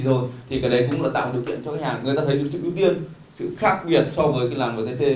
thì cái đấy cũng là tạo điều kiện cho các nhà người ta thấy được sự ưu tiên sự khác biệt so với cái làng vtc có thể tắt